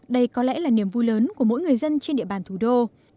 đây có lẽ là niềm vui lớn của mỗi người dân trên địa bàn thủ đô